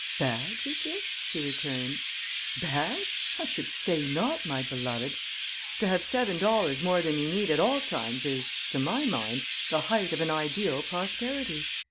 "Bad, Richard?" she returned. "Bad? I should say not, my beloved. To have seven dollars more than you need at all times is, to my mind, the height of an ideal prosperity.